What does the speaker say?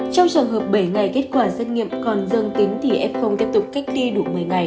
trong trường hợp bảy ngày kết quả xét nghiệm còn dương tính thì f tiếp tục cách ly đủ một mươi ngày